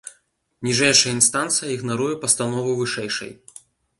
Ніжэйшая інстанцыя ігнаруе пастанову вышэйшай.